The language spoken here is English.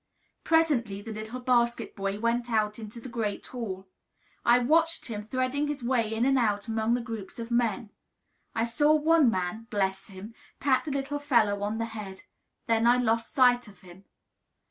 Presently the little basket boy went out into the great hall. I watched him threading his way in and out among the groups of men. I saw one man bless him! pat the little fellow on the head; then I lost sight of him.